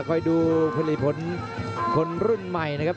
คอยดูผลิตผลคนรุ่นใหม่นะครับ